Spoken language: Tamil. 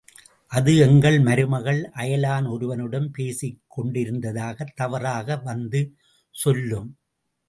அது எங்கள் மருமகள் அயலான் ஒருவனுடன் பேசிக்கொண்டிருந்ததாகத் தவறாக வந்து சொல்லும்.